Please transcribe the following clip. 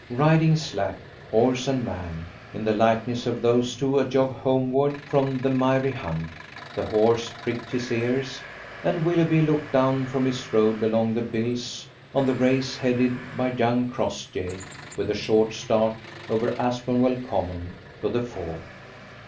Riding slack, horse and man, in the likeness of those two ajog homeward from the miry hunt, the horse pricked his cars, and Willoughby looked down from his road along the bills on the race headed by young Crossjay with a short start over Aspenwell Common to the ford.